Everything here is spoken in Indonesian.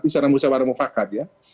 di sarang usaha warung fakat ya